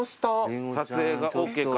撮影がＯＫか。